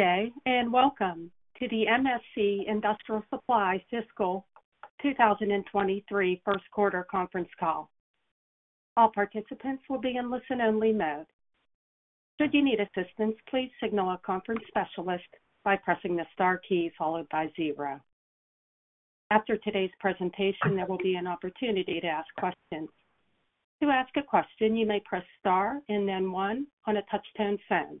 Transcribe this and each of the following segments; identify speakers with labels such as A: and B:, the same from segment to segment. A: Good day, welcome to the MSC Industrial Supply Fiscal 2023 first quarter conference call. All participants will be in listen-only mode. Should you need assistance, please signal a conference specialist by pressing the star key followed by zero. After today's presentation, there will be an opportunity to ask questions. To ask a question, you may press star and then one on a touch-tone phone.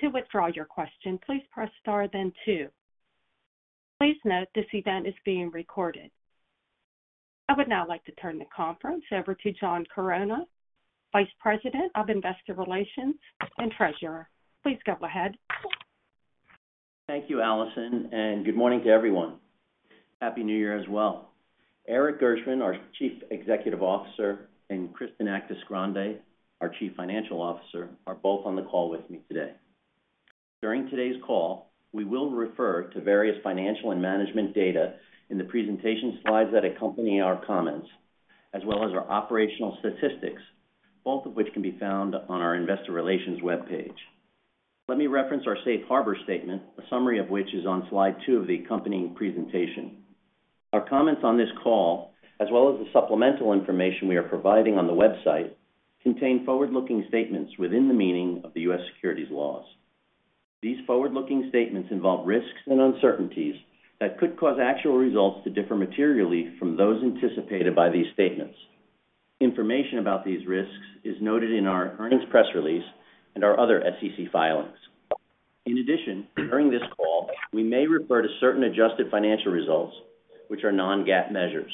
A: To withdraw your question, please press star then two. Please note this event is being recorded. I would now like to turn the conference over to John Chironna, Vice President of Investor Relations and Treasurer. Please go ahead.
B: Thank you, Allison. Good morning to everyone. Happy New Year as well. Erik Gershwind, our Chief Executive Officer, and Kristen Actis-Grande, our Chief Financial Officer, are both on the call with me today. During today's call, we will refer to various financial and management data in the presentation slides that accompany our comments, as well as our operational statistics, both of which can be found on our investor relations webpage. Let me reference our safe harbor statement, a summary of which is on slide 2 of the accompanying presentation. Our comments on this call, as well as the supplemental information we are providing on the website, contain forward-looking statements within the meaning of the U.S. securities laws. These forward-looking statements involve risks and uncertainties that could cause actual results to differ materially from those anticipated by these statements. Information about these risks is noted in our earnings press release and our other SEC filings. During this call, we may refer to certain adjusted financial results, which are non-GAAP measures.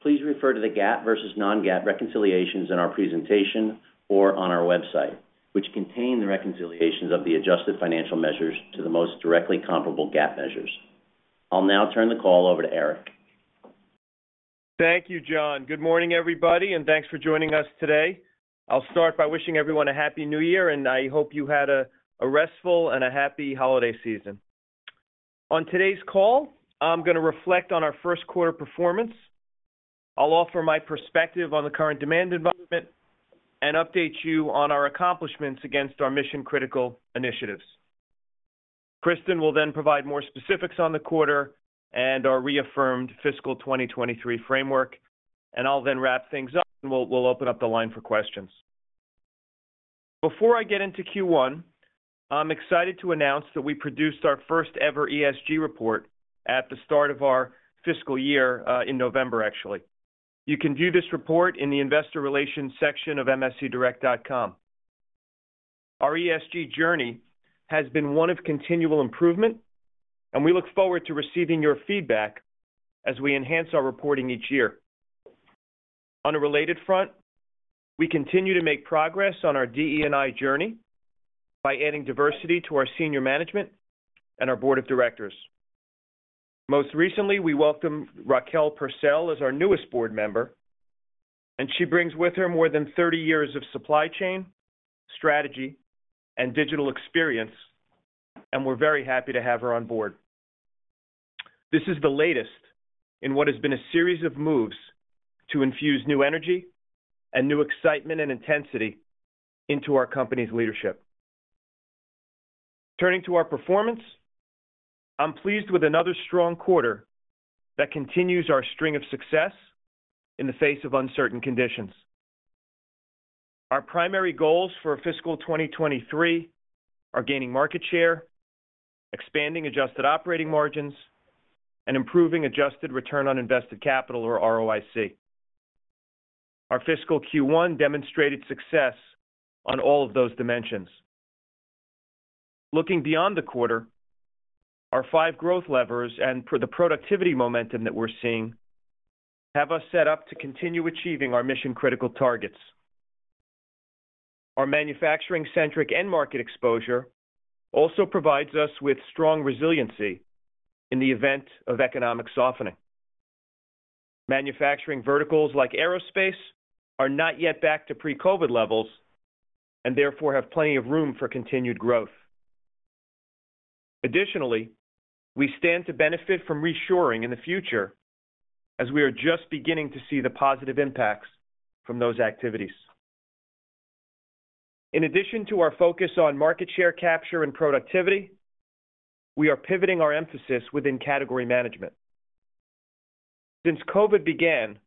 B: Please refer to the GAAP versus non-GAAP reconciliations in our presentation or on our website, which contain the reconciliations of the adjusted financial measures to the most directly comparable GAAP measures. I'll now turn the call over to Erik.
C: Thank you, John. Good morning, everybody, thanks for joining us today. I'll start by wishing everyone a happy New Year. I hope you had a restful and a happy holiday season. On today's call, I'm gonna reflect on our first quarter performance. I'll offer my perspective on the current demand environment and update you on our accomplishments against our Mission Critical initiatives. Kristen will then provide more specifics on the quarter and our reaffirmed fiscal 2023 framework, and I'll then wrap things up, and we'll open up the line for questions. Before I get into Q1, I'm excited to announce that we produced our first ever ESG report at the start of our fiscal year, in November, actually. You can view this report in the investor relations section of mscdirect.com. Our ESG journey has been one of continual improvement, and we look forward to receiving your feedback as we enhance our reporting each year. On a related front, we continue to make progress on our DE&I journey by adding diversity to our senior management and our board of directors. Most recently, we welcomed Rahquel Purcell as our newest board member, and she brings with her more than 30 years of supply chain, strategy, and digital experience, and we're very happy to have her on board. This is the latest in what has been a series of moves to infuse new energy and new excitement and intensity into our company's leadership. Turning to our performance, I'm pleased with another strong quarter that continues our string of success in the face of uncertain conditions. Our primary goals for fiscal 2023 are gaining market share, expanding adjusted operating margins, and improving adjusted return on invested capital or ROIC. Our fiscal Q1 demonstrated success on all of those dimensions. Looking beyond the quarter, our five growth levers and the productivity momentum that we're seeing have us set up to continue achieving our Mission Critical targets. Our manufacturing-centric end market exposure also provides us with strong resiliency in the event of economic softening. Manufacturing verticals like aerospace are not yet back to pre-COVID levels and therefore have plenty of room for continued growth. We stand to benefit from reshoring in the future as we are just beginning to see the positive impacts from those activities. In addition to our focus on market share capture and productivity, we are pivoting our emphasis within category management. Since COVID began,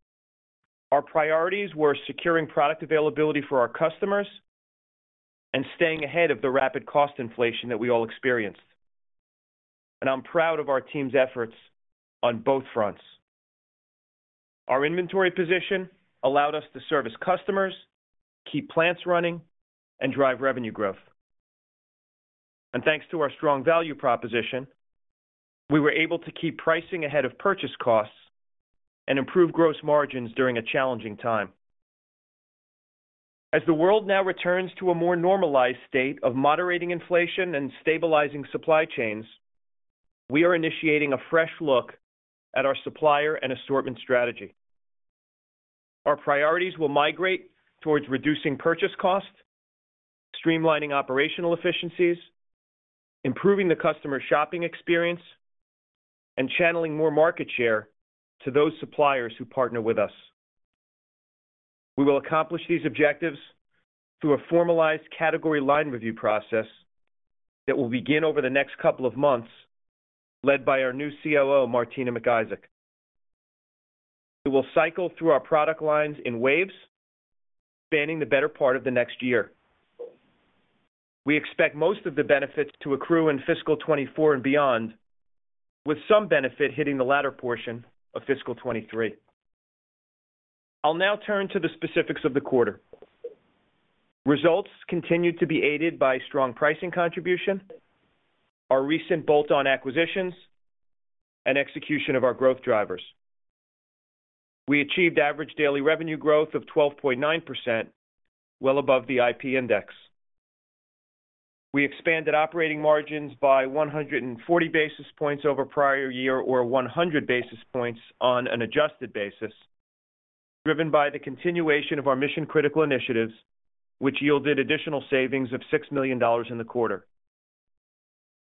C: our priorities were securing product availability for our customers and staying ahead of the rapid cost inflation that we all experienced, and I'm proud of our team's efforts on both fronts. Our inventory position allowed us to service customers, keep plants running, and drive revenue growth. Thanks to our strong value proposition, we were able to keep pricing ahead of purchase costs and improve gross margins during a challenging time. As the world now returns to a more normalized state of moderating inflation and stabilizing supply chains, we are initiating a fresh look at our supplier and assortment strategy. Our priorities will migrate towards reducing purchase costs, streamlining operational efficiencies, improving the customer shopping experience, and channeling more market share to those suppliers who partner with us. We will accomplish these objectives through a formalized category line review process that will begin over the next couple of months, led by our new COO, Martina McIsaac. We will cycle through our product lines in waves, spanning the better part of the next year. We expect most of the benefits to accrue in fiscal 2024 and beyond, with some benefit hitting the latter portion of fiscal 2023. I'll now turn to the specifics of the quarter. Results continued to be aided by strong pricing contribution, our recent bolt-on acquisitions, and execution of our growth drivers. We achieved average daily revenue growth of 12.9%, well above the IP index. We expanded operating margins by 140 basis points over prior year, or 100 basis points on an adjusted basis, driven by the continuation of our Mission Critical initiatives, which yielded additional savings of $6 million in the quarter.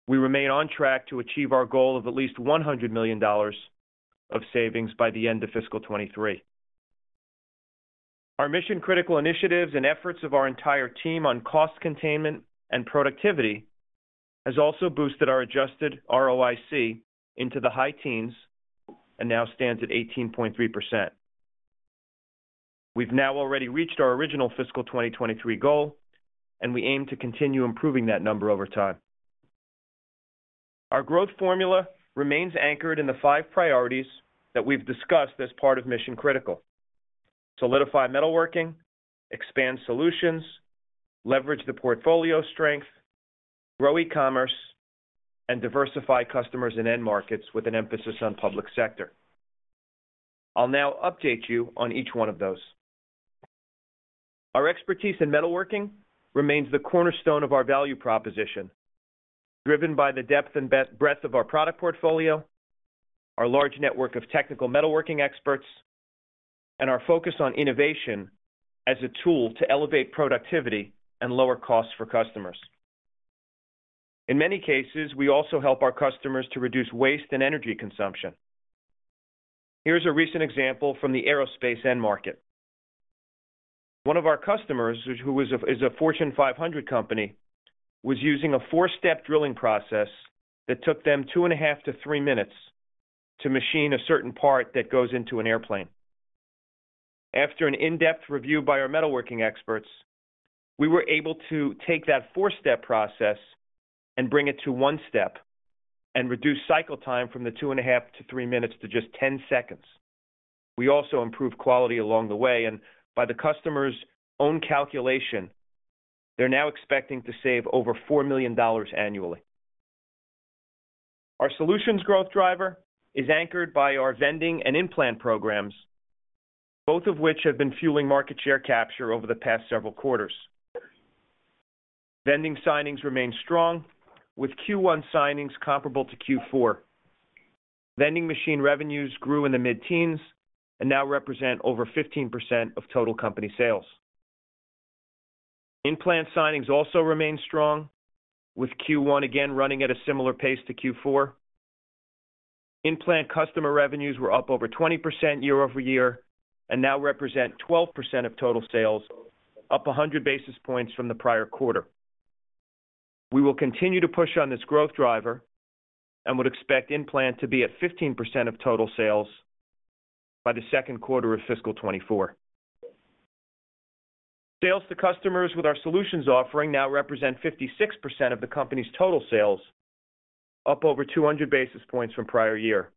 C: We remain on track to achieve our goal of at least $100 million of savings by the end of fiscal 2023. Our Mission Critical initiatives and efforts of our entire team on cost containment and productivity has also boosted our adjusted ROIC into the high teens and now stands at 18.3%. We've now already reached our original fiscal 2023 goal. We aim to continue improving that number over time. Our growth formula remains anchored in the five priorities that we've discussed as part of Mission Critical: solidify metalworking, expand solutions, leverage the portfolio strength, grow e-commerce, and diversify customers and end markets with an emphasis on public sector. I'll now update you on each one of those. Our expertise in metalworking remains the cornerstone of our value proposition, driven by the depth and breadth of our product portfolio, our large network of technical metalworking experts, and our focus on innovation as a tool to elevate productivity and lower costs for customers. In many cases, we also help our customers to reduce waste and energy consumption. Here's a recent example from the aerospace end market. One of our customers, who is a Fortune 500 company, was using a 4-step drilling process that took them 2.5 to three minutes to machine a certain part that goes into an airplane. After an in-depth review by our metalworking experts, we were able to take that four-step process and bring it to one step and reduce cycle time from the 2.5 to three minutes to just 10 seconds. We also improved quality along the way. By the customer's own calculation, they're now expecting to save over $4 million annually. Our solutions growth driver is anchored by our vending and in-plant programs, both of which have been fueling market share capture over the past several quarters. Vending signings remain strong, with Q1 signings comparable to Q4. Vending machine revenues grew in the mid-teens and now represent over 15% of total company sales. In-plant signings also remain strong, with Q1 again running at a similar pace to Q4. In-plant customer revenues were up over 20% year-over-year and now represent 12% of total sales, up 100 basis points from the prior quarter. We will continue to push on this growth driver and would expect in-plant to be at 15% of total sales by the second quarter of fiscal 2024. Sales to customers with our solutions offering now represent 56% of the company's total sales, up over 200 basis points from prior year.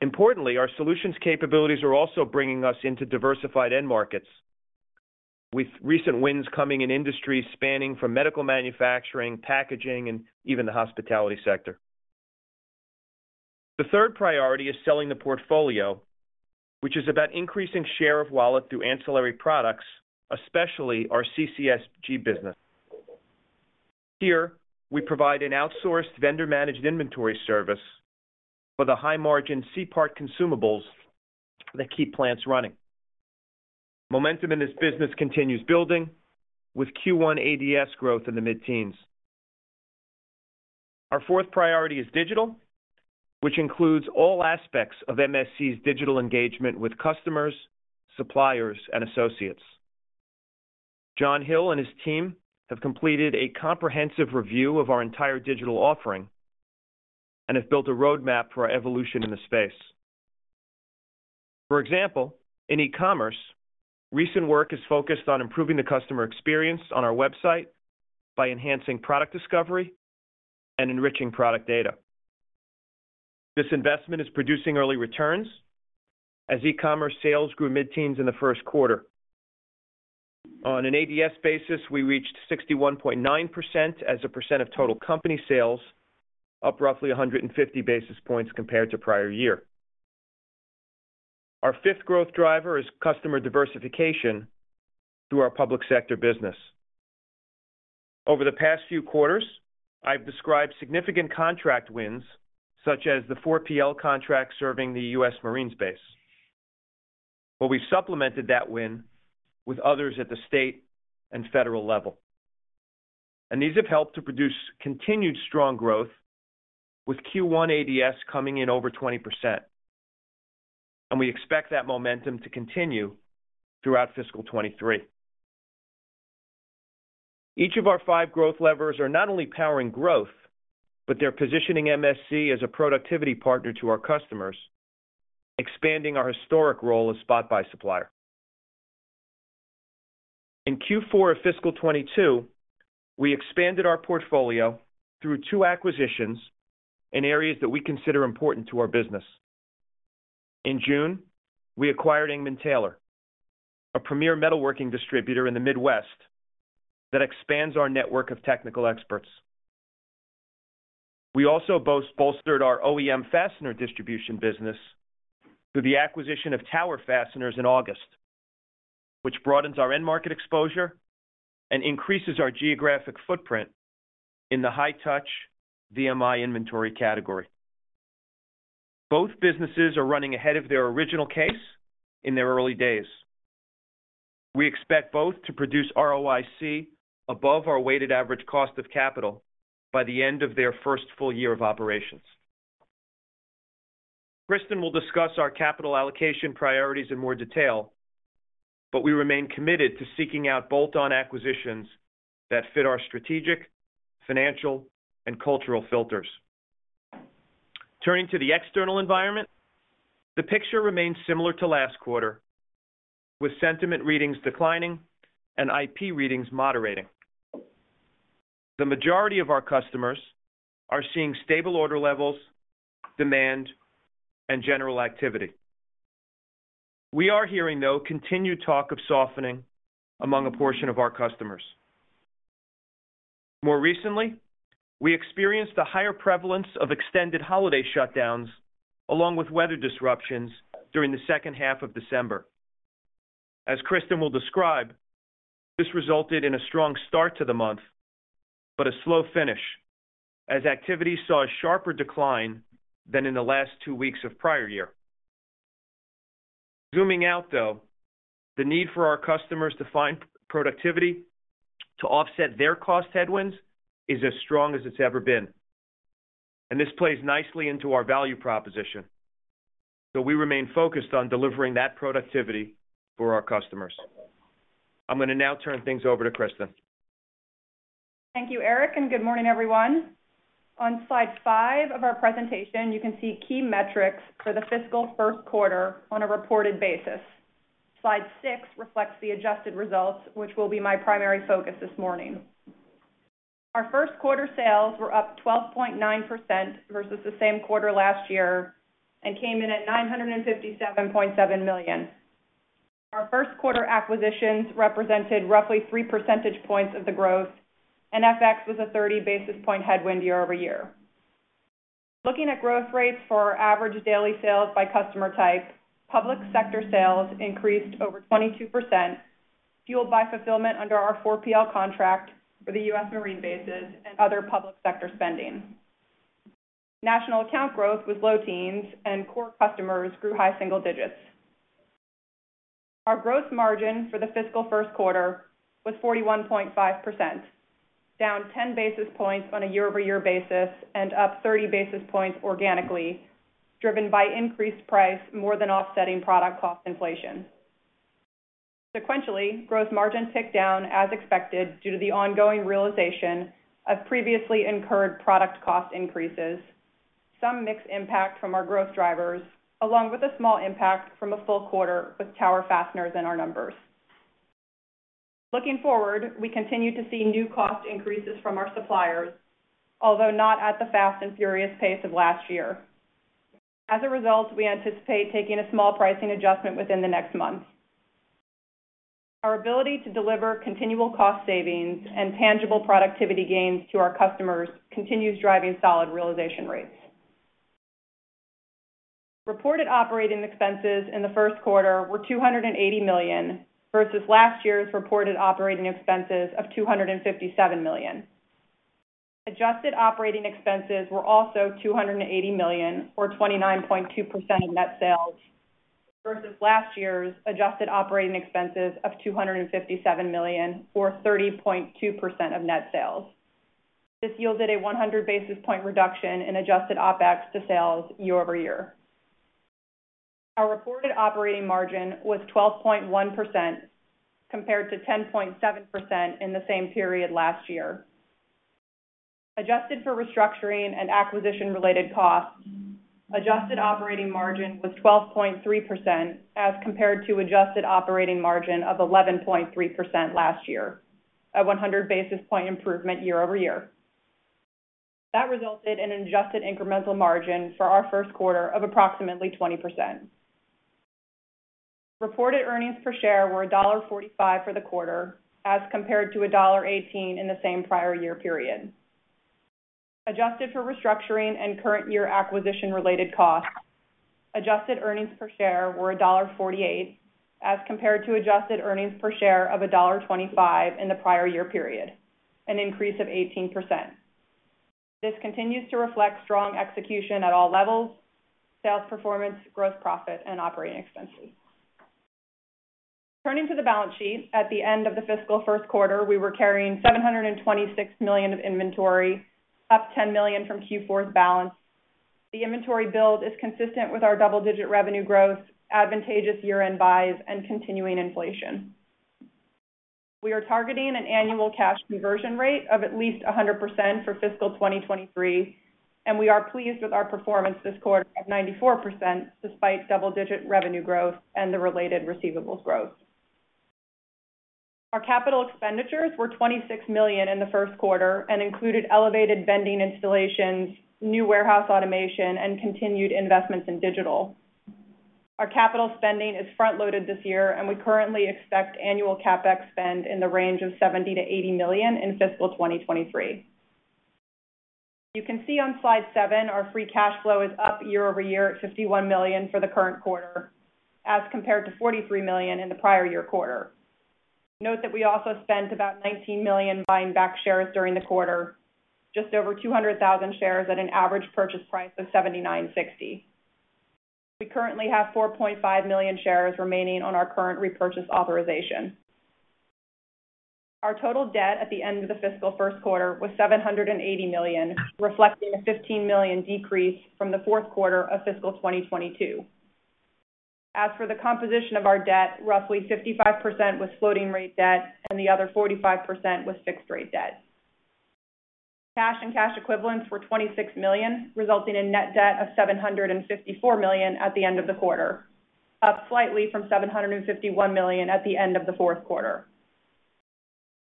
C: Importantly, our solutions capabilities are also bringing us into diversified end markets, with recent wins coming in industries spanning from medical manufacturing, packaging, and even the hospitality sector. The third priority is selling the portfolio, which is about increasing share of wallet through ancillary products, especially our CCSG business. Here, we provide an outsourced vendor-managed inventory service for the high-margin C part consumables that keep plants running. Momentum in this business continues building, with Q1 ADS growth in the mid-teens. Our fourth priority is digital, which includes all aspects of MSC's digital engagement with customers, suppliers, and associates. John Hill and his team have completed a comprehensive review of our entire digital offering and have built a roadmap for our evolution in the space. For example, in e-commerce, recent work is focused on improving the customer experience on our website by enhancing product discovery and enriching product data. This investment is producing early returns as e-commerce sales grew mid-teens in the first quarter. On an ADS basis, we reached 61.9% as a percent of total company sales, up roughly 150 basis points compared to prior year. Our fifth growth driver is customer diversification through our public sector business. Over the past few quarters, I've described significant contract wins, such as the 4PL contract serving the U.S. Marine base, where we supplemented that win with others at the state and federal level. These have helped to produce continued strong growth with Q1 ADS coming in over 20%. We expect that momentum to continue throughout fiscal 2023. Each of our five growth levers are not only powering growth, but they're positioning MSC as a productivity partner to our customers, expanding our historic role as spot buy supplier. In Q4 of fiscal 2022, we expanded our portfolio through 2 acquisitions in areas that we consider important to our business. In June, we acquired Engman-Taylor, a premier metalworking distributor in the Midwest that expands our network of technical experts. We also bolstered our OEM fastener distribution business through the acquisition of Tower Fasteners in August, which broadens our end market exposure and increases our geographic footprint in the high-touch VMI inventory category. Both businesses are running ahead of their original case in their early days. We expect both to produce ROIC above our weighted average cost of capital by the end of their first full year of operations. Kristen will discuss our capital allocation priorities in more detail, but we remain committed to seeking out bolt-on acquisitions that fit our strategic, financial, and cultural filters. Turning to the external environment, the picture remains similar to last quarter, with sentiment readings declining and IP readings moderating. The majority of our customers are seeing stable order levels, demand, and general activity. We are hearing, though, continued talk of softening among a portion of our customers. More recently, we experienced a higher prevalence of extended holiday shutdowns along with weather disruptions during the second half of December. As Kristen will describe, this resulted in a strong start to the month, but a slow finish as activity saw a sharper decline than in the last two weeks of prior year. Zooming out, though, the need for our customers to find productivity to offset their cost headwinds is as strong as it's ever been, and this plays nicely into our value proposition. We remain focused on delivering that productivity for our customers. I'm gonna now turn things over to Kristen.
D: Thank you, Erik. Good morning, everyone. On slide five of our presentation, you can see key metrics for the fiscal first quarter on a reported basis. Slide six reflects the adjusted results, which will be my primary focus this morning. Our first quarter sales were up 12.9% versus the same quarter last year and came in at $957.7 million. Our first quarter acquisitions represented roughly 3 percentage points of the growth, and FX was a 30 basis point headwind year-over-year. Looking at growth rates for our average daily sales by customer type, public sector sales increased over 22%, fueled by fulfillment under our 4PL contract for the U.S. Marine bases and other public sector spending. National account growth was low teens and core customers grew high single digits. Our gross margin for the fiscal first quarter was 41.5%, down 10 basis points on a year-over-year basis and up 30 basis points organically, driven by increased price more than offsetting product cost inflation. Sequentially, gross margin ticked down as expected due to the ongoing realization of previously incurred product cost increases, some mixed impact from our growth drivers, along with a small impact from a full quarter with Tower Fasteners in our numbers. Looking forward, we continue to see new cost increases from our suppliers, although not at the fast and furious pace of last year. As a result, we anticipate taking a small pricing adjustment within the next month. Our ability to deliver continual cost savings and tangible productivity gains to our customers continues driving solid realization rates. Reported operating expenses in the first quarter were $280 million, versus last year's reported operating expenses of $257 million. Adjusted operating expenses were also $280 million or 29.2% of net sales versus last year's adjusted operating expenses of $257 million or 30.2% of net sales. This yielded a 100 basis point reduction in adjusted OpEx to sales year-over-year. Our reported operating margin was 12.1% compared to 10.7% in the same period last year. Adjusted for restructuring and acquisition-related costs, adjusted operating margin was 12.3% as compared to adjusted operating margin of 11.3% last year, a 100 basis point improvement year-over-year. That resulted in an adjusted incremental margin for our first quarter of approximately 20%. Reported earnings per share were $1.45 for the quarter as compared to $1.18 in the same prior year period. Adjusted for restructuring and current year acquisition-related costs, adjusted earnings per share were $1.48 as compared to adjusted earnings per share of $1.25 in the prior year period, an increase of 18%. This continues to reflect strong execution at all levels, sales performance, gross profit, and operating expenses. Turning to the balance sheet, at the end of the fiscal first quarter, we were carrying $726 million of inventory, up $10 million from Q4's balance. The inventory build is consistent with our double-digit revenue growth, advantageous year-end buys, and continuing inflation. We are targeting an annual cash conversion rate of at least 100% for fiscal 2023. We are pleased with our performance this quarter of 94% despite double-digit revenue growth and the related receivables growth. Our capital expenditures were $26 million in the first quarter and included elevated vending installations, new warehouse automation, and continued investments in digital. Our capital spending is front-loaded this year. We currently expect annual CapEx spend in the range of $70 million-$80 million in fiscal 2023. You can see on slide seven, our free cash flow is up year-over-year at $51 million for the current quarter, as compared to $43 million in the prior year quarter. Note that we also spent about $19 million buying back shares during the quarter, just over 200,000 shares at an average purchase price of $79.60. We currently have 4.5 million shares remaining on our current repurchase authorization. Our total debt at the end of the fiscal first quarter was $780 million, reflecting a $15 million decrease from the fourth quarter of fiscal 2022. As for the composition of our debt, roughly 55% was floating rate debt and the other 45% was fixed-rate debt. Cash and cash equivalents were $26 million, resulting in net debt of $754 million at the end of the quarter, up slightly from $751 million at the end of the fourth quarter.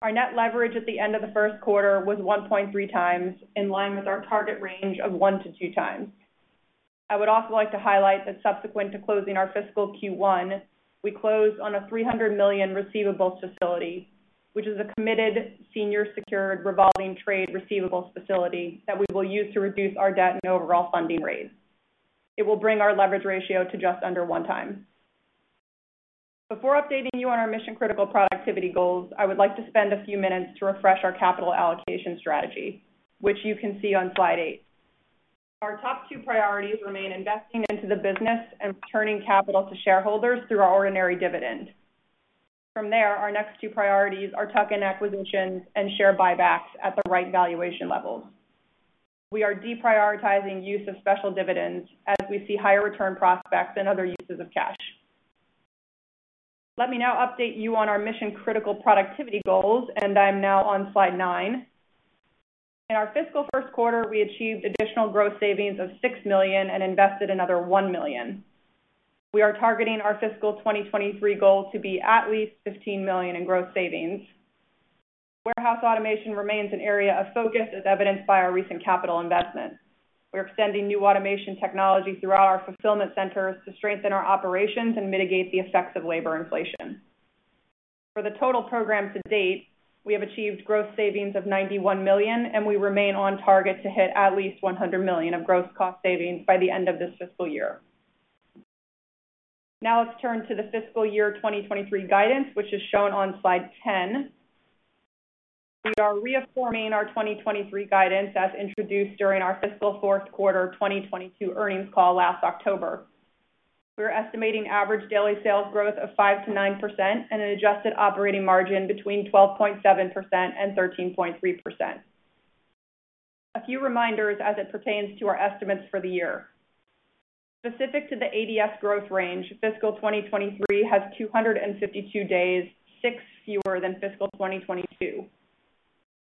D: Our net leverage at the end of the first quarter was 1.3x, in line with our target range of 1x to 2x. I would also like to highlight that subsequent to closing our fiscal Q1, we closed on a $300 million receivables facility, which is a committed senior secured revolving trade receivables facility that we will use to reduce our debt and overall funding raise. It will bring our leverage ratio to just under one time. Before updating you on our Mission Critical productivity goals, I would like to spend a few minutes to refresh our capital allocation strategy, which you can see on slide eight. Our top two priorities remain investing into the business and returning capital to shareholders through our ordinary dividend. From there, our next two priorities are tuck-in acquisitions and share buybacks at the right valuation levels. We are deprioritizing use of special dividends as we see higher return prospects in other uses of cash. Let me now update you on our Mission Critical productivity goals. I'm now on slide nine. In our fiscal first quarter, we achieved additional growth savings of $6 million and invested another $1 million. We are targeting our fiscal 2023 goal to be at least $15 million in growth savings. Warehouse automation remains an area of focus, as evidenced by our recent capital investment. We're extending new automation technology throughout our fulfillment centers to strengthen our operations and mitigate the effects of labor inflation. For the total program to date, we have achieved growth savings of $91 million. We remain on target to hit at least $100 million of gross cost savings by the end of this fiscal year. Let's turn to the fiscal year 2023 guidance, which is shown on slide 10. We are reaffirming our 2023 guidance as introduced during our fiscal fourth quarter 2022 earnings call last October. We're estimating average daily sales growth of 5%-9% and an adjusted operating margin between 12.7% and 13.3%. A few reminders as it pertains to our estimates for the year. Specific to the ADS growth range, fiscal 2023 has 252 days, six fewer than fiscal 2022.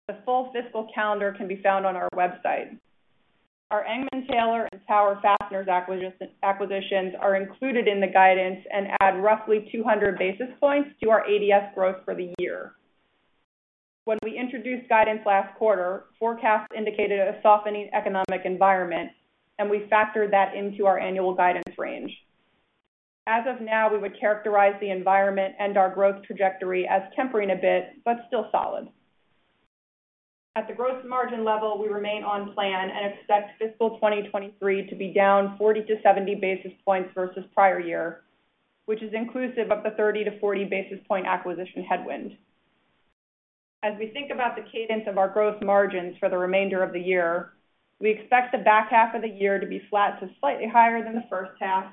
D: The full fiscal calendar can be found on our website. Our Engman-Taylor and Tower Fasteners acquisitions are included in the guidance and add roughly 200 basis points to our ADS growth for the year. When we introduced guidance last quarter, forecasts indicated a softening economic environment, and we factored that into our annual guidance range. As of now, we would characterize the environment and our growth trajectory as tempering a bit, but still solid. At the gross margin level, we remain on plan and expect fiscal 2023 to be down 40-70 basis points versus prior year, which is inclusive of the 30-40 basis point acquisition headwind. As we think about the cadence of our growth margins for the remainder of the year, we expect the back half of the year to be flat to slightly higher than the first half.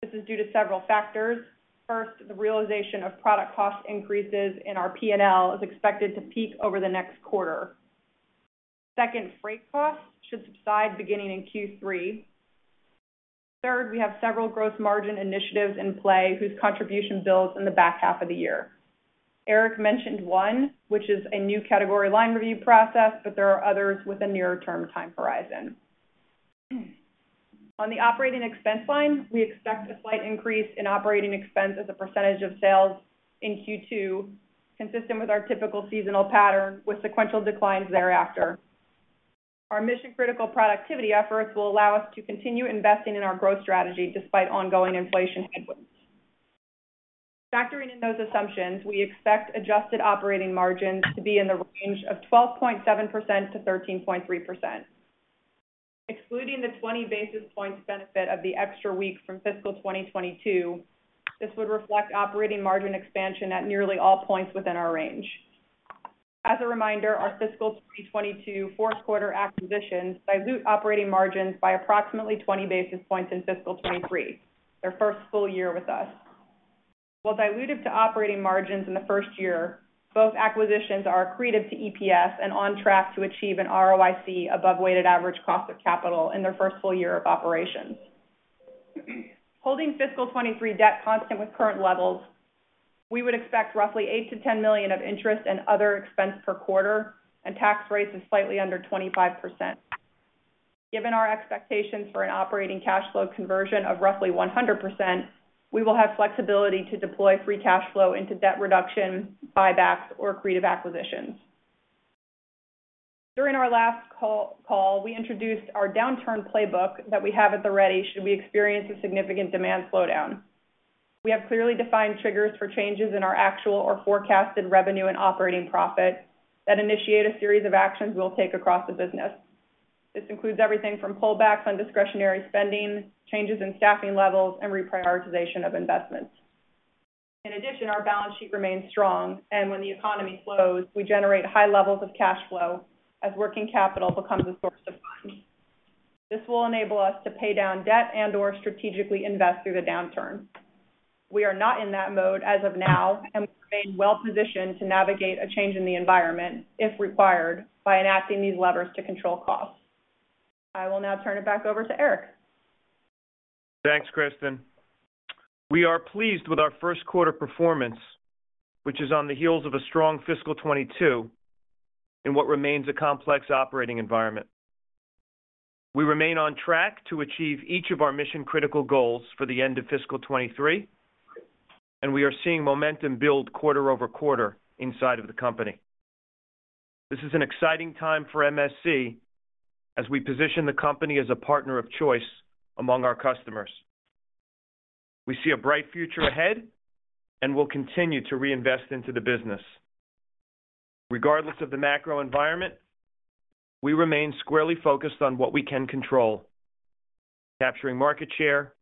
D: This is due to several factors. First, the realization of product cost increases in our P&L is expected to peak over the next quarter. Second, freight costs should subside beginning in Q3. Third, we have several gross margin initiatives in play whose contribution builds in the back half of the year. Erik mentioned one, which is a new category line review process, but there are others with a nearer-term time horizon. On the OpEx line, we expect a slight increase in OpEx as a percentage of sales in Q2, consistent with our typical seasonal pattern with sequential declines thereafter. Our Mission Critical productivity efforts will allow us to continue investing in our growth strategy despite ongoing inflation headwinds. Factoring in those assumptions, we expect adjusted operating margins to be in the range of 12.7%-13.3%. Excluding the 20 basis points benefit of the extra week from fiscal 2022, this would reflect operating margin expansion at nearly all points within our range. As a reminder, our fiscal 2022 fourth quarter acquisitions dilute operating margins by approximately 20 basis points in fiscal 2023, their first full year with us. While diluted to operating margins in the first year, both acquisitions are accretive to EPS and on track to achieve an ROIC above weighted average cost of capital in their first full year of operations. Holding fiscal 23 debt constant with current levels, we would expect roughly $8 million-$10 million of interest and other expense per quarter, and tax rates of slightly under 25%. Given our expectations for an operating cash flow conversion of roughly 100%, we will have flexibility to deploy free cash flow into debt reduction, buybacks, or creative acquisitions. During our last call-call, we introduced our downturn playbook that we have at the ready should we experience a significant demand slowdown. We have clearly defined triggers for changes in our actual or forecasted revenue and operating profit that initiate a series of actions we'll take across the business. This includes everything from pullbacks on discretionary spending, changes in staffing levels, and reprioritization of investments. Our balance sheet remains strong, and when the economy slows, we generate high levels of cash flow as working capital becomes a source of funds. This will enable us to pay down debt and/or strategically invest through the downturn. We are not in that mode as of now and remain well positioned to navigate a change in the environment, if required, by enacting these levers to control costs. I will now turn it back over to Erik.
C: Thanks, Kristen. We are pleased with our first quarter performance, which is on the heels of a strong fiscal 2022 in what remains a complex operating environment. We remain on track to achieve each of our Mission Critical goals for the end of fiscal 2023, and we are seeing momentum build quarter-over-quarter inside of the company. This is an exciting time for MSC as we position the company as a partner of choice among our customers. We see a bright future ahead and will continue to reinvest into the business. Regardless of the macro environment, we remain squarely focused on what we can control: capturing market share,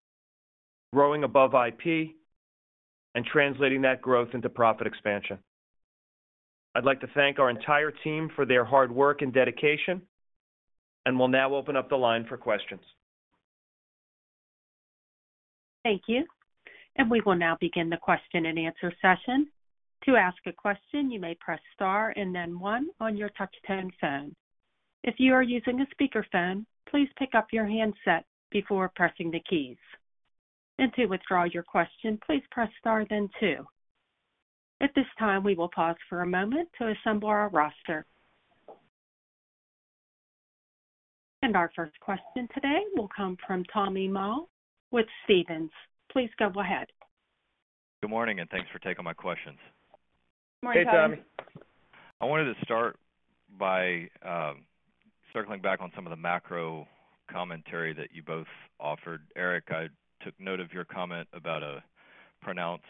C: growing above IP, and translating that growth into profit expansion. I'd like to thank our entire team for their hard work and dedication, and will now open up the line for questions.
A: Thank you. We will now begin the question and answer session. To ask a question, you may press star and then one on your touch-tone phone. If you are using a speakerphone, please pick up your handset before pressing the keys. To withdraw your question, please press star then two. At this time, we will pause for a moment to assemble our roster. Our first question today will come from Tommy Moll with Stephens. Please go ahead.
E: Good morning. Thanks for taking my questions.
D: Good morning, Tommy.
C: Hey, Tommy.
E: I wanted to start by circling back on some of the macro commentary that you both offered. Erik, I took note of your comment about a pronounced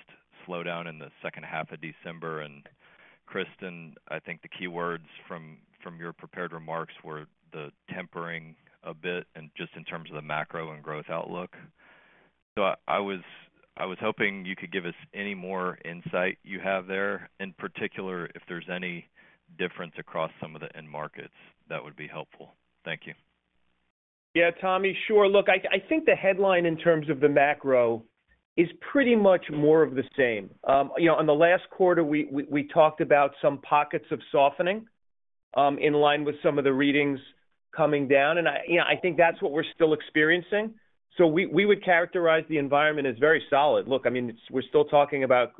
E: slowdown in the second half of December. Kristen, I think the key words from your prepared remarks were the tempering a bit and just in terms of the macro and growth outlook. I was hoping you could give us any more insight you have there, in particular, if there's any difference across some of the end markets. That would be helpful. Thank you.
C: Yeah. Tommy, sure. Look, I think the headline in terms of the macro is pretty much more of the same. You know, on the last quarter, we talked about some pockets of softening, in line with some of the readings coming down. I, you know, I think that's what we're still experiencing. We would characterize the environment as very solid. Look, I mean, we're still talking about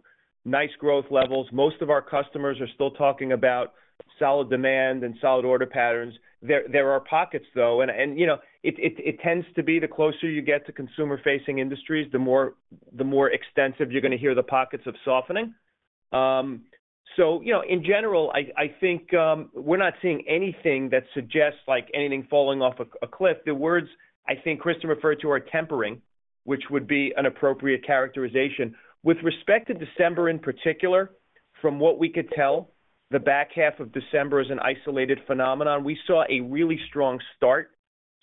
C: nice growth levels. Most of our customers are still talking about solid demand and solid order patterns. There are pockets, though, and you know, it, it tends to be the closer you get to consumer-facing industries, the more, the more extensive you're gonna hear the pockets of softening. You know, in general, I think we're not seeing anything that suggests, like, anything falling off a cliff. The words, I think Kristen referred to are tempering, which would be an appropriate characterization. With respect to December in particular, from what we could tell, the back half of December is an isolated phenomenon. We saw a really strong start.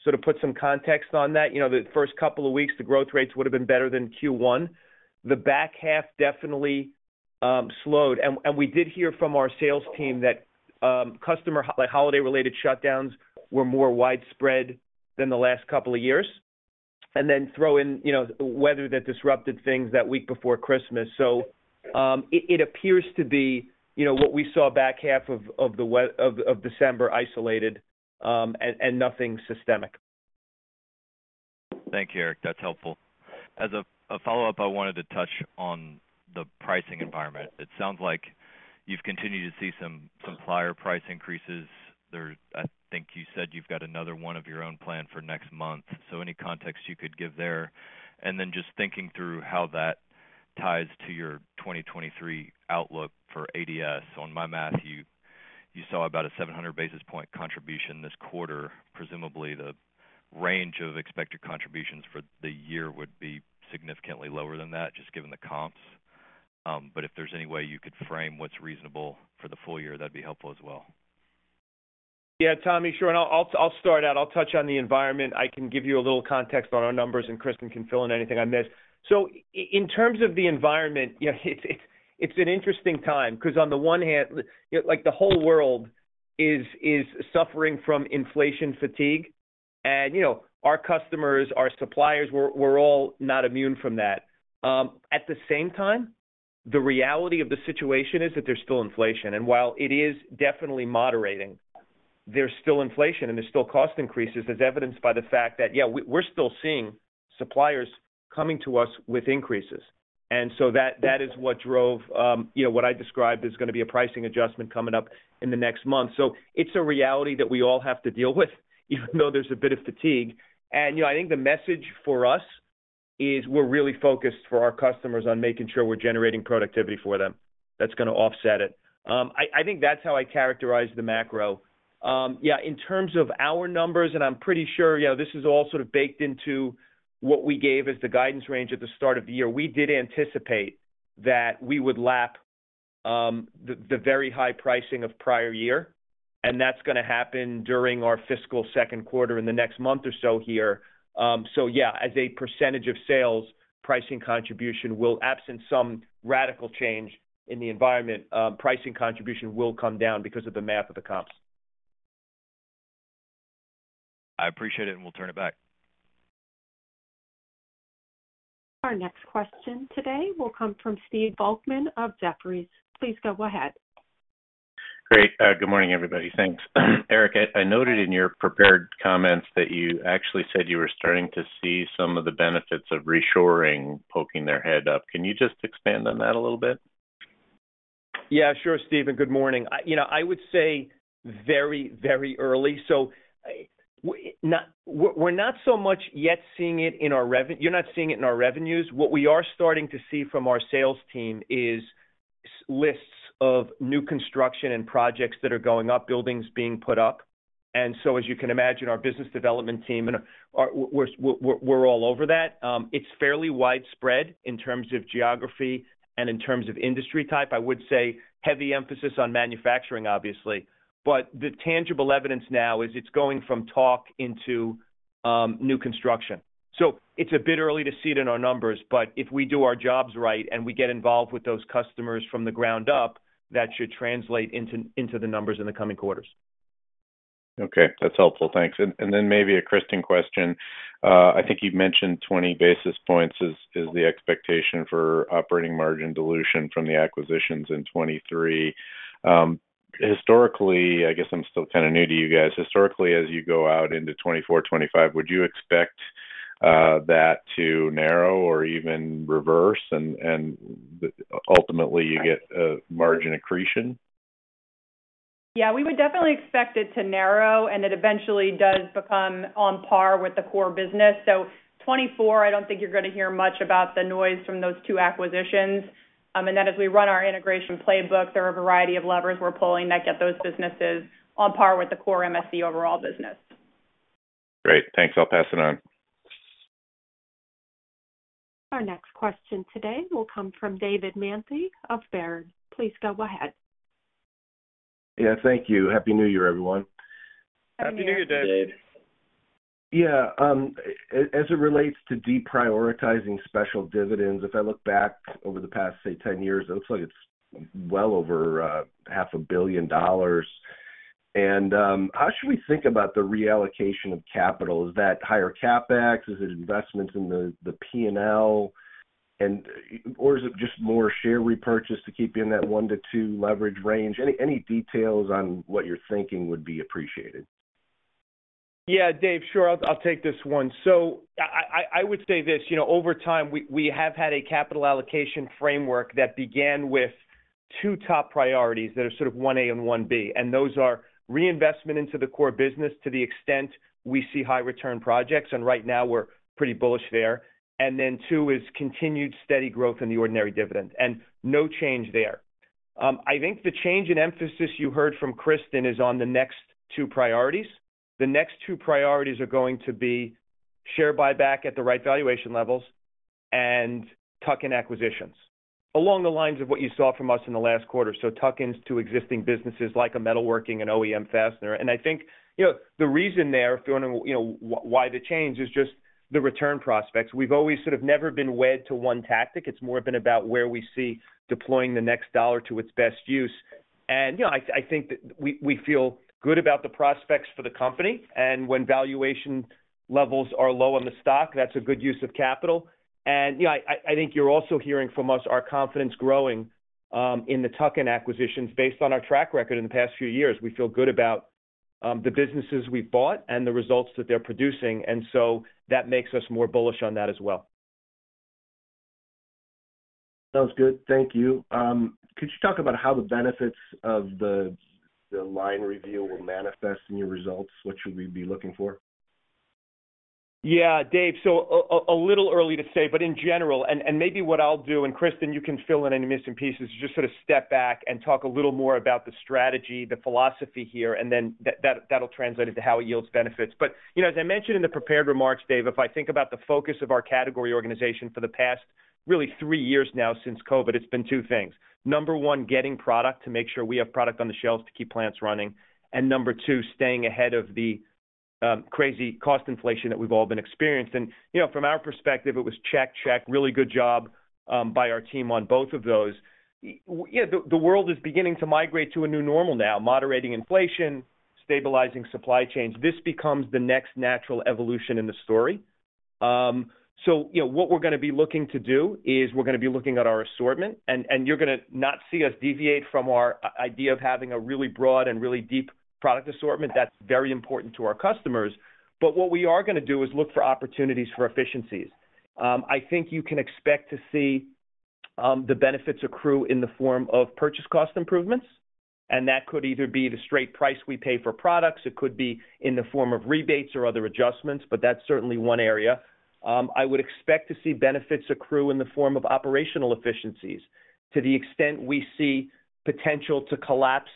C: To put some context on that, you know, the first couple of weeks, the growth rates would have been better than Q1. The back half definitely slowed. And we did hear from our sales team that customer holiday-related shutdowns were more widespread than the last couple of years. Then throw in, you know, weather that disrupted things that week before Christmas. It appears to be, you know, what we saw back half of December isolated, and nothing systemic.
E: Thank you, Erik. That's helpful. As a follow-up, I wanted to touch on the pricing environment. It sounds like you've continued to see some supplier price increases there. I think you said you've got another one of your own planned for next month. Any context you could give there? Just thinking through how that ties to your 2023 outlook for ADS. On my math, you saw about a 700 basis point contribution this quarter. Presumably, the range of expected contributions for the year would be significantly lower than that, just given the comps. If there's any way you could frame what's reasonable for the full year, that'd be helpful as well.
C: Yeah, Tommy, sure. I'll start out. I'll touch on the environment. I can give you a little context on our numbers, and Kristen can fill in anything I miss. In terms of the environment, you know, it's an interesting time because on the one hand, you know, like, the whole world is suffering from inflation fatigue. You know, our customers, our suppliers, we're all not immune from that. At the same time, the reality of the situation is that there's still inflation. While it is definitely moderating, there's still inflation, and there's still cost increases, as evidenced by the fact that, yeah, we're still seeing suppliers coming to us with increases. That is what drove, you know, what I described is gonna be a pricing adjustment coming up in the next month. It's a reality that we all have to deal with, even though there's a bit of fatigue. You know, I think the message for us is we're really focused for our customers on making sure we're generating productivity for them that's gonna offset it. I think that's how I characterize the macro. Yeah, in terms of our numbers, and I'm pretty sure, you know, this is all sort of baked into what we gave as the guidance range at the start of the year, we did anticipate that we would lap the very high pricing of prior year, and that's gonna happen during our fiscal second quarter in the next month or so here. Yeah, as a % of sales, pricing contribution will absent some radical change in the environment. Pricing contribution will come down because of the math of the comps.
E: I appreciate it, and we'll turn it back.
A: Our next question today will come from Steven Volkmann of Jefferies. Please go ahead.
F: Great. Good morning, everybody. Thanks, Erik, I noted in your prepared comments that you actually said you were starting to see some of the benefits of reshoring poking their head up. Can you just expand on that a little bit?
C: Yeah. Sure, Steven. Good morning. You know, I would say very, very early. We're not so much yet seeing it in our revenues. What we are starting to see from our sales team is lists of new construction and projects that are going up, buildings being put up. As you can imagine, our business development team and our, we're all over that. It's fairly widespread in terms of geography and in terms of industry type. I would say heavy emphasis on manufacturing, obviously. The tangible evidence now is it's going from talk into new construction. It's a bit early to see it in our numbers, but if we do our jobs right and we get involved with those customers from the ground up, that should translate into the numbers in the coming quarters.
F: Okay. That's helpful. Thanks. Then maybe a Kristen question. I think you've mentioned 20 basis points is the expectation for operating margin dilution from the acquisitions in 2023. Historically, I guess I'm still kinda new to you guys. Historically, as you go out into 2024, 2025, would you expect that to narrow or even reverse and ultimately you get margin accretion?
D: Yeah. We would definitely expect it to narrow, and it eventually does become on par with the core business. 2024, I don't think you're gonna hear much about the noise from those two acquisitions. As we run our integration playbook, there are a variety of levers we're pulling that get those businesses on par with the core MSC overall business.
F: Great. Thanks. I'll pass it on.
A: Our next question today will come from David Manthey of Baird. Please go ahead.
G: Yeah. Thank you. Happy New Year, everyone.
C: Happy New Year, Dave.
D: Happy New Year.
G: As it relates to deprioritizing special dividends, if I look back over the past, say, 10 years, it looks like it's well over half a billion dollars. How should we think about the reallocation of capital? Is that higher CapEx? Is it investments in the P&L? Or is it just more share repurchase to keep you in that 1 to 2 leverage range? Any details on what you're thinking would be appreciated.
C: Yeah. Dave, sure. I'll take this one. I would say this, you know, over time, we have had a capital allocation framework that began with two top priorities that are sort of one A and one B. Those are reinvestment into the core business to the extent we see high return projects. Right now we're pretty bullish there. Then two is continued steady growth in the ordinary dividend. No change there. I think the change in emphasis you heard from Kristen is on the next two priorities. The next two priorities are going to be share buyback at the right valuation levels and tuck-in acquisitions. Along the lines of what you saw from us in the last quarter, so tuck-ins to existing businesses like a metalworking and OEM fastener. I think, you know, the reason they're doing, you know, why the change is just the return prospects. We've always sort of never been wed to one tactic. It's more been about where we see deploying the next dollar to its best use. You know, I think that we feel good about the prospects for the company and when valuation levels are low on the stock, that's a good use of capital. You know, I think you're also hearing from us our confidence growing, in the tuck-in acquisitions based on our track record in the past few years. We feel good about, the businesses we bought and the results that they're producing, and so that makes us more bullish on that as well.
G: Sounds good. Thank you. Could you talk about how the benefits of the line review will manifest in your results? What should we be looking for?
C: Yeah. Dave, a little early to say, but in general. Maybe what I'll do, and Kristen, you can fill in any missing pieces, is just sort of step back and talk a little more about the strategy, the philosophy here, and then that'll translate into how it yields benefits. You know, as I mentioned in the prepared remarks, Dave, if I think about the focus of our category organization for the past, really three years now since COVID, it's been two things. Number one, getting product to make sure we have product on the shelves to keep plants running. Number two, staying ahead of the crazy cost inflation that we've all been experiencing. You know, from our perspective, it was check. Really good job by our team on both of those. You know, the world is beginning to migrate to a new normal now. Moderating inflation, stabilizing supply chains. This becomes the next natural evolution in the story. You know, what we're gonna be looking to do is we're gonna be looking at our assortment, and you're gonna not see us deviate from our idea of having a really broad and really deep product assortment that's very important to our customers. What we are gonna do is look for opportunities for efficiencies. I think you can expect to see the benefits accrue in the form of purchase cost improvements, and that could either be the straight price we pay for products. It could be in the form of rebates or other adjustments, but that's certainly one area. I would expect to see benefits accrue in the form of operational efficiencies to the extent we see potential to collapse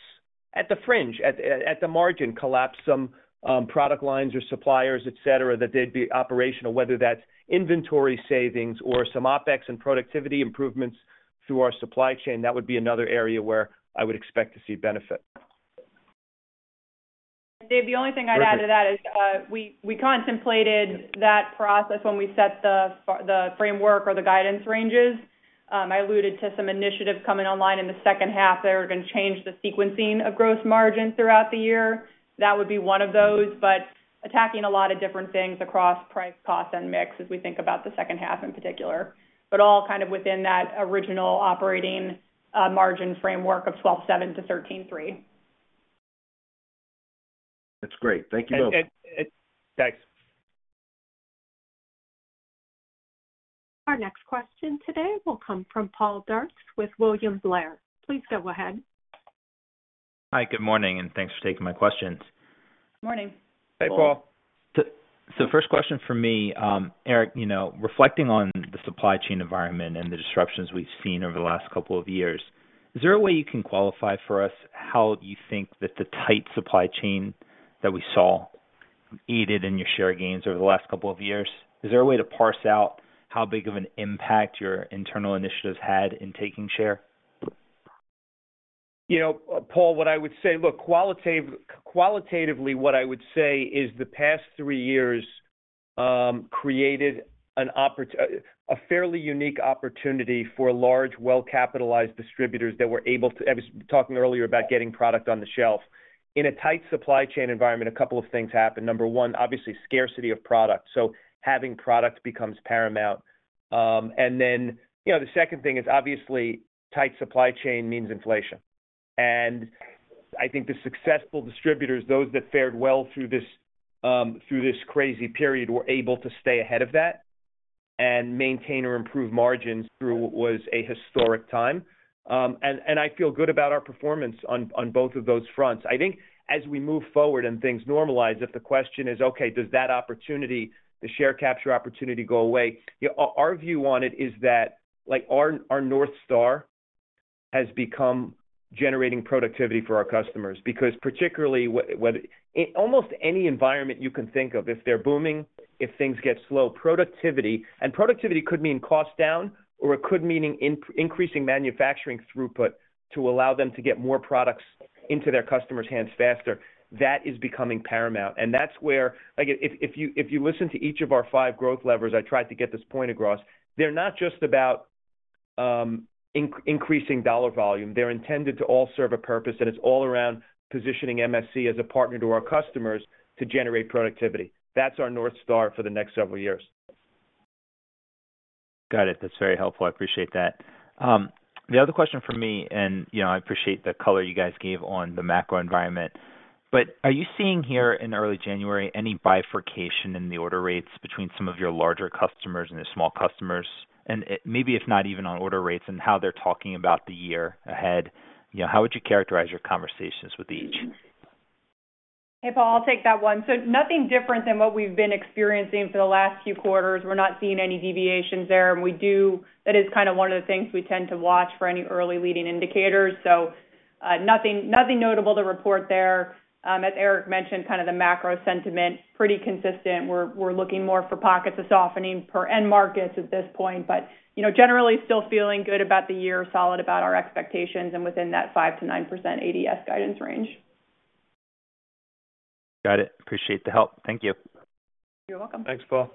C: at the fringe, at the margin, collapse some product lines or suppliers, et cetera, that they'd be operational. Whether that's inventory savings or some OpEx and productivity improvements through our supply chain, that would be another area where I would expect to see benefit.
D: Dave, the only thing I'd add to that is, we contemplated that process when we set the framework or the guidance ranges. I alluded to some initiatives coming online in the second half that are gonna change the sequencing of gross margin throughout the year. That would be one of those. attacking a lot of different things across price, cost, and mix as we think about the second half in particular, but all kind of within that original operating margin framework of 12.7%-13.3%.
G: That's great. Thank you both.
C: It... Thanks.
A: Our next question today will come from Paul Dircks with William Blair. Please go ahead.
H: Hi, good morning, and thanks for taking my questions.
D: Morning.
C: Hey, Paul.
H: First question from me, Erik, you know, reflecting on the supply chain environment and the disruptions we've seen over the last couple of years, is there a way you can qualify for us how you think that the tight supply chain that we saw aided in your share gains over the last couple of years? Is there a way to parse out how big of an impact your internal initiatives had in taking share?
C: You know, Paul, what I would say. Look, qualitatively, what I would say is the past three years created a fairly unique opportunity for large, well-capitalized distributors that were able to. I was talking earlier about getting product on the shelf. In a tight supply chain environment, a couple of things happen. Number one, obviously scarcity of product, so having product becomes paramount. Then, you know, the second thing is obviously tight supply chain means inflation. I think the successful distributors, those that fared well through this, through this crazy period, were able to stay ahead of that and maintain or improve margins through what was a historic time. I feel good about our performance on both of those fronts. I think as we move forward and things normalize, if the question is, okay, does that opportunity, the share capture opportunity go away? Yeah, our view on it is that, like, our North Star has become generating productivity for our customers because particularly when. In almost any environment you can think of, if they're booming, if things get slow, productivity. Productivity could mean cost down, or it could meaning increasing manufacturing throughput to allow them to get more products into their customers' hands faster. That is becoming paramount, and that's where. Again, if you, if you listen to each of our five growth levers, I tried to get this point across. They're not just about increasing dollar volume. They're intended to all serve a purpose, and it's all around positioning MSC as a partner to our customers to generate productivity. That's our North Star for the next several years.
H: Got it. That's very helpful. I appreciate that. The other question from me, and, you know, I appreciate the color you guys gave on the macro environment, but are you seeing here in early January any bifurcation in the order rates between some of your larger customers and the small customers? Maybe if not even on order rates and how they're talking about the year ahead, you know, how would you characterize your conversations with each?
D: Hey, Paul, I'll take that one. Nothing different than what we've been experiencing for the last few quarters. We're not seeing any deviations there. That is kind of one of the things we tend to watch for any early leading indicators. Nothing notable to report there. As Erik mentioned, kind of the macro sentiment, pretty consistent. We're looking more for pockets of softening per end markets at this point. You know, generally still feeling good about the year, solid about our expectations and within that 5% to 9% ADS guidance range.
H: Got it. Appreciate the help. Thank you.
D: You're welcome.
C: Thanks, Paul.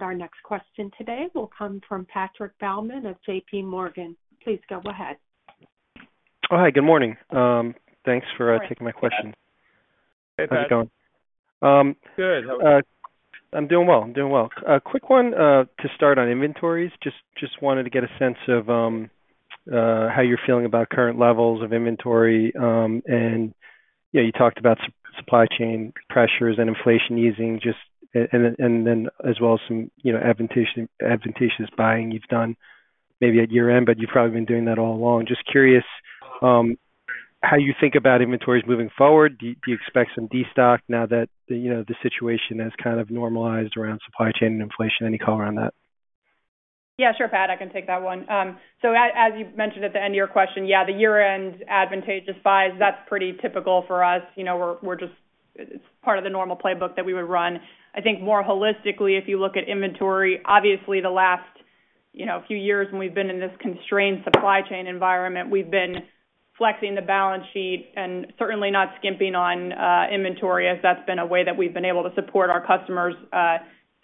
A: Our next question today will come from Patrick Baumann of JPMorgan. Please go ahead.
I: Oh, hi. Good morning.
D: Good morning.
I: taking my question.
C: Hey, Pat.
I: How's it going?
C: Good. How are you?
I: I'm doing well. I'm doing well. A quick one to start on inventories. Just wanted to get a sense of how you're feeling about current levels of inventory. Yeah, you talked about supply chain pressures and inflation easing. Then, as well as some, you know, adventitious buying you've done maybe at year-end, but you've probably been doing that all along. Just curious how you think about inventories moving forward. Do you expect some destock now that, you know, the situation has kind of normalized around supply chain and inflation? Any color on that?
D: Yeah, sure, Pat, I can take that one. As you've mentioned at the end of your question, yeah, the year-end advantageous buys, that's pretty typical for us. You know, we're part of the normal playbook that we would run. I think more holistically, if you look at inventory, obviously You know, a few years when we've been in this constrained supply chain environment, we've been flexing the balance sheet and certainly not skimping on inventory as that's been a way that we've been able to support our customers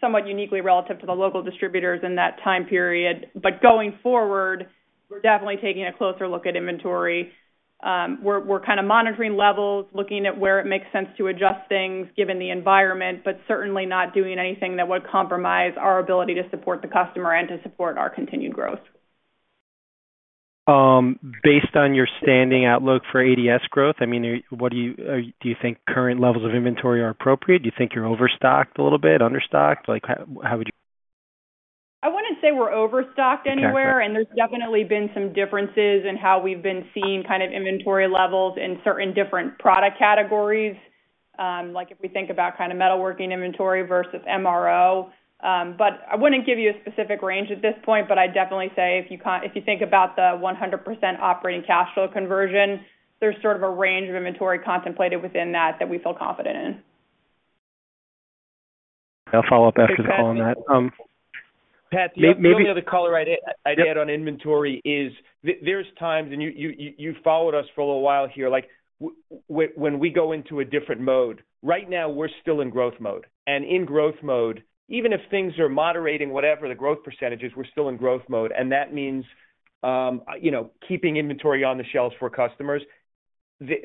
D: somewhat uniquely relative to the local distributors in that time period. Going forward, we're definitely taking a closer look at inventory. We're kind of monitoring levels, looking at where it makes sense to adjust things given the environment, but certainly not doing anything that would compromise our ability to support the customer and to support our continued growth.
I: Based on your standing outlook for ADS growth, I mean, do you think current levels of inventory are appropriate? Do you think you're overstocked a little bit? Under stocked? Like, how would you-
D: I wouldn't say we're overstocked anywhere.
I: Okay.
D: There's definitely been some differences in how we've been seeing inventory levels in certain different product categories, like if we think about metalworking inventory versus MRO. I wouldn't give you a specific range at this point, but I'd definitely say if you if you think about the 100% operating cash flow conversion, there's sort of a range of inventory contemplated within that we feel confident in.
I: I'll follow up after the call on that.
C: Pat, the only other color I'd add on inventory is there's times and you've followed us for a little while here, like when we go into a different mode. Right now, we're still in growth mode. In growth mode, even if things are moderating, whatever the growth percentage is, we're still in growth mode, and that means, you know, keeping inventory on the shelves for customers. There,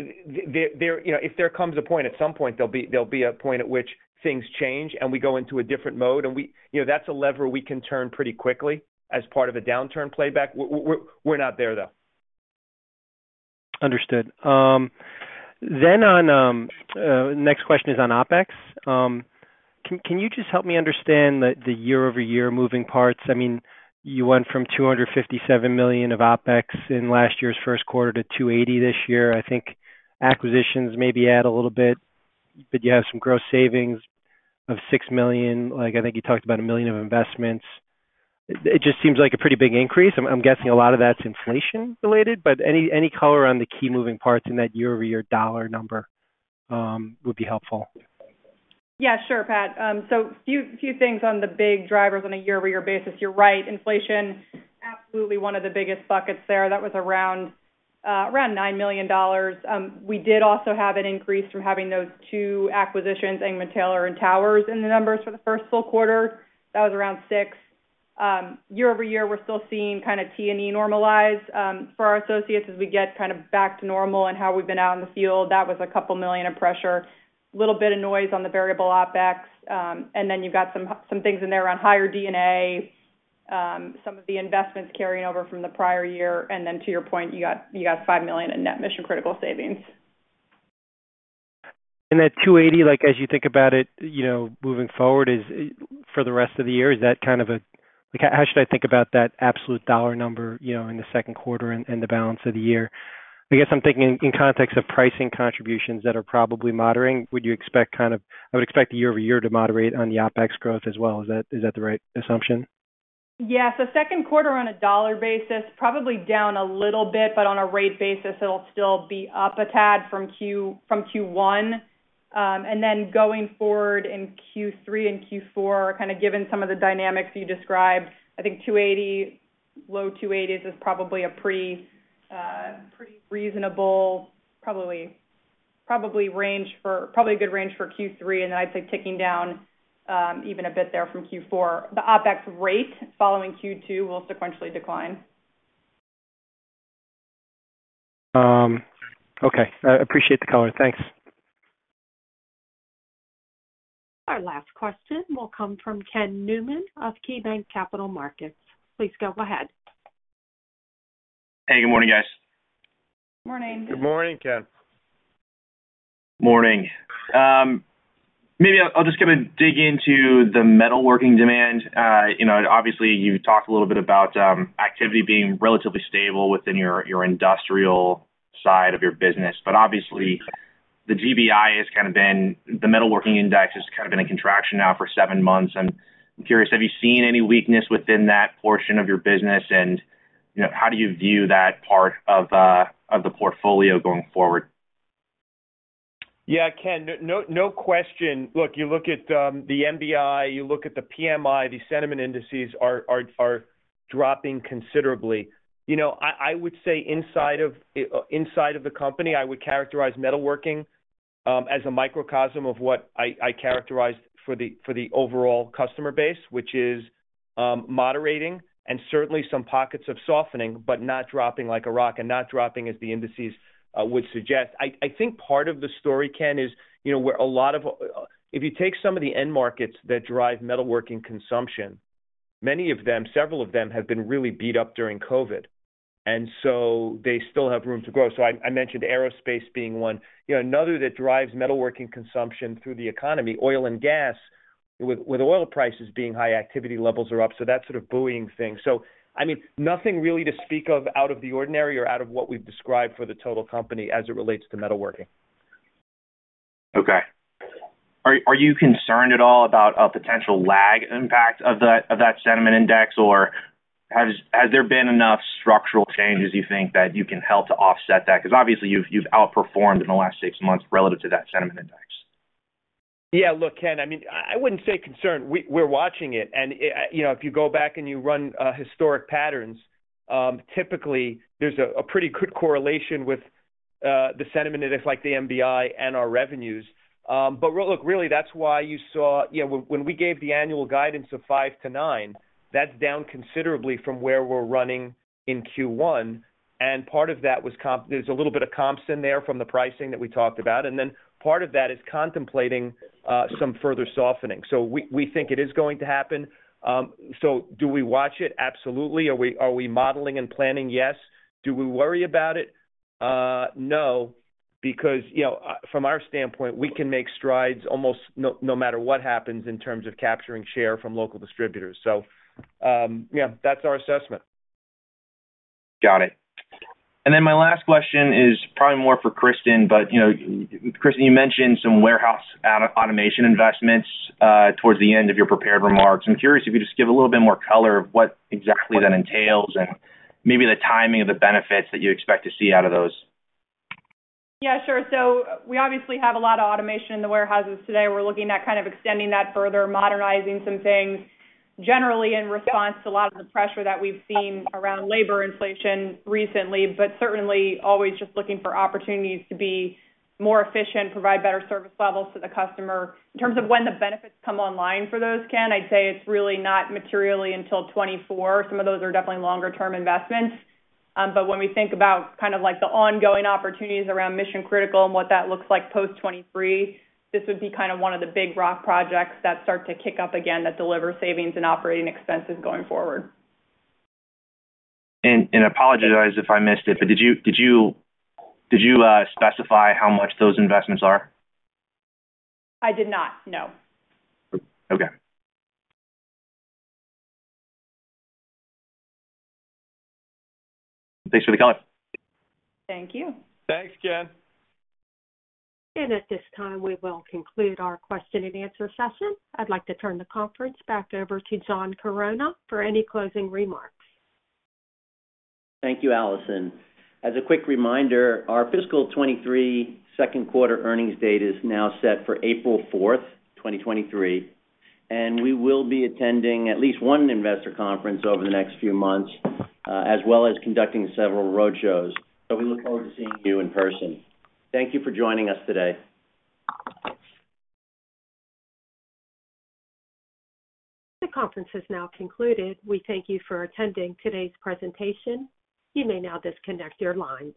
C: you know, if there comes a point, at some point, there'll be a point at which things change, and we go into a different mode, and we. You know, that's a lever we can turn pretty quickly as part of a downturn playback. We're not there, though.
I: Understood. Next question is on OpEx. Can you just help me understand the year-over-year moving parts? I mean, you went from $257 million of OpEx in last year's first quarter to $280 million this year. I think acquisitions maybe add a little bit, but you have some gross savings of $6 million. Like, I think you talked about $1 million of investments. It just seems like a pretty big increase. I'm guessing a lot of that's inflation related, but any color on the key moving parts in that year-over-year dollar number would be helpful.
D: Yeah, sure, Pat. Few things on the big drivers on a year-over-year basis. You're right, inflation, absolutely one of the biggest buckets there. That was around $9 million. We did also have an increase from having those two acquisitions, Engman-Taylor and Towers, in the numbers for the first full quarter. That was around $6 million. Year-over-year, we're still seeing kinda T&E normalize for our associates as we get kind of back to normal and how we've been out in the field. That was $2 million in pressure. Little bit of noise on the variable OpEx. Then you've got some things in there around higher D&A, some of the investments carrying over from the prior year. To your point, you got $5 million in net Mission Critical savings.
I: That $280, like as you think about it, you know, moving forward, is for the rest of the year. Like, how should I think about that absolute dollar number, you know, in the second quarter and the balance of the year? I guess I'm thinking in context of pricing contributions that are probably moderating. Would you expect kind of I would expect the year-over-year to moderate on the OpEx growth as well. Is that the right assumption?
D: So second quarter on a dollar basis, probably down a little bit, but on a rate basis it'll still be up a tad from Q1. Then going forward in Q3 and Q4, kind of given some of the dynamics you described, I think $280, low $280s is probably a pretty reasonable range for Q3, and then I'd say ticking down even a bit there from Q4. The OpEx rate following Q2 will sequentially decline.
I: Okay. I appreciate the color. Thanks.
A: Our last question will come from Ken Newman of KeyBanc Capital Markets. Please go ahead.
J: Hey, good morning, guys.
D: Morning.
C: Good morning, Ken.
J: Morning. Maybe I'll just kind of dig into the metalworking demand. You know, obviously, you talked a little bit about activity being relatively stable within your industrial side of your business. Obviously, the metalworking index has kind of been in contraction now for seven months. I'm curious, have you seen any weakness within that portion of your business? You know, how do you view that part of the portfolio going forward?
C: Yeah, Ken, no question. Look, you look at the MBI, you look at the PMI, the sentiment indices are dropping considerably. You know, I would say inside of the company, I would characterize metalworking as a microcosm of what I characterize for the overall customer base, which is moderating and certainly some pockets of softening, but not dropping like a rock and not dropping as the indices would suggest. I think part of the story, Ken, is, you know, where a lot of. If you take some of the end markets that drive metalworking consumption, many of them, several of them have been really beat up during COVID. They still have room to grow. I mentioned aerospace being one. You know, another that drives metalworking consumption through the economy, oil and gas. With oil prices being high, activity levels are up, so that's sort of buoying things. I mean, nothing really to speak of out of the ordinary or out of what we've described for the total company as it relates to metalworking.
J: Okay. Are you concerned at all about a potential lag impact of that sentiment index, or has there been enough structural changes you think that you can help to offset that? because obviously, you've outperformed in the last six months relative to that sentiment index.
C: Yeah. Look, Ken, I mean, I wouldn't say concerned. We're watching it, you know, if you go back and you run historic patterns, typically there's a pretty good correlation with the sentiment and it's like the MBI and our revenues. Really that's why you saw. You know, when we gave the annual guidance of 5%-9%, that's down considerably from where we're running in Q1, and part of that was there's a little bit of comps in there from the pricing that we talked about, and then part of that is contemplating some further softening. We think it is going to happen. Do we watch it? Absolutely. Are we modeling and planning? Yes. Do we worry about it? No, because, you know, from our standpoint, we can make strides almost no matter what happens in terms of capturing share from local distributors. yeah, that's our assessment.
J: Got it. My last question is probably more for Kristen, you know, Kristen, you mentioned some warehouse automation investments towards the end of your prepared remarks. I'm curious if you could just give a little bit more color of what exactly that entails and maybe the timing of the benefits that you expect to see out of those.
D: Sure. We obviously have a lot of automation in the warehouses today. We're looking at kind of extending that further, modernizing some things, generally in response to a lot of the pressure that we've seen around labor inflation recently, but certainly always just looking for opportunities to be more efficient, provide better service levels to the customer. In terms of when the benefits come online for those, Ken, I'd say it's really not materially until 2024. Some of those are definitely longer term investments. When we think about kind of like the ongoing opportunities around Mission Critical and what that looks like post 2023, this would be kind of one of the big rock projects that start to kick up again that deliver savings and Operating Expenses going forward.
J: Apologize if I missed it, but did you specify how much those investments are?
D: I did not, no.
J: Okay. Thanks for the comment.
D: Thank you.
C: Thanks, Ken.
A: At this time, we will conclude our question and answer session. I'd like to turn the conference back over to John Chironna for any closing remarks.
B: Thank you, Allison. As a quick reminder, our fiscal 2023 second quarter earnings date is now set for April 4th, 2023, and we will be attending at least one investor conference over the next few months, as well as conducting several roadshows. We look forward to seeing you in person. Thank you for joining us today.
A: The conference has now concluded. We thank you for attending today's presentation. You may now disconnect your lines.